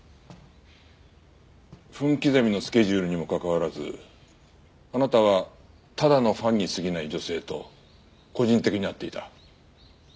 分刻みのスケジュールにもかかわらずあなたはただのファンにすぎない女性と個人的に会っていた。